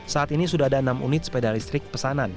saat ini sudah ada enam unit sepeda listrik pesanan